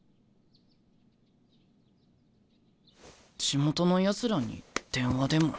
地元のやつらに電話でも。